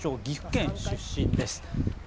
岐阜県出身です。